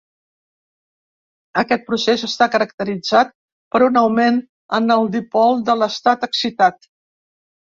Aquest procés està caracteritzat per un augment en el dipol de l'estat excitat.